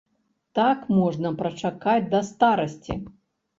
Так можна прачакаць да старасці.